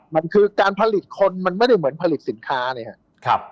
มันคือการผลิตคนมันไม่ได้เหมือนผลิตสินค้านะครับ